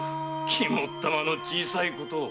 肝っ玉の小さいことを。